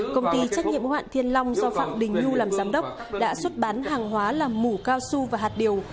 công ty trách nhiệm mũ hạn thiên long do phạm đình nhu làm giám đốc đã xuất bán hàng hóa là mũ cao su và hạt điều